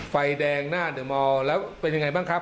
ไฟแดงหน้าเดอร์มอลแล้วเป็นอย่างไรบ้างครับ